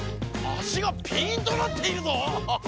足がピンとなっているぞ！